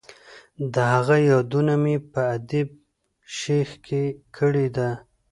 د هغه یادونه مې په ادیب شیخ کې کړې ده.